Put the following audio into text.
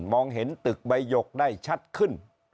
มองเห็นตึกใบหยกได้ชัดขึ้น